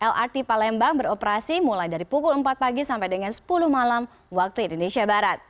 lrt palembang beroperasi mulai dari pukul empat pagi sampai dengan sepuluh malam waktu indonesia barat